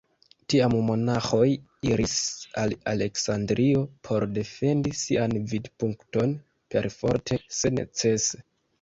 Tiam monaĥoj iris al Aleksandrio por defendi sian vidpunkton, perforte se necese.